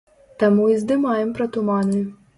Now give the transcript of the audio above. Таму і здымаем пра туманы.